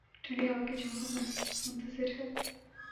ٹھنڈی ہوا کے جھونکوں کا منتظر ہے